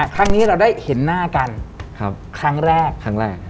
ครั้งนี้เราได้เห็นหน้ากันครั้งแรกครั้งแรก